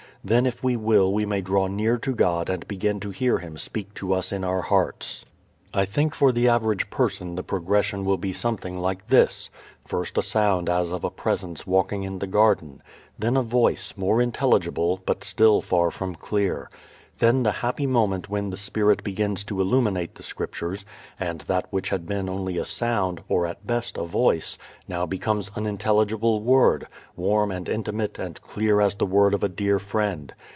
Then if we will we may draw near to God and begin to hear Him speak to us in our hearts. I think for the average person the progression will be something like this: First a sound as of a Presence walking in the garden. Then a voice, more intelligible, but still far from clear. Then the happy moment when the Spirit begins to illuminate the Scriptures, and that which had been only a sound, or at best a voice, now becomes an intelligible word, warm and intimate and clear as the word of a dear friend.